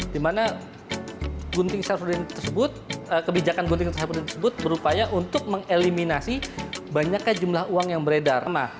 dimana kebijakan gunting syafrudin tersebut berupaya untuk mengeliminasi banyaknya jumlah uang yang beredar